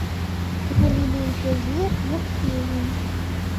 Галілей пяе, як певень.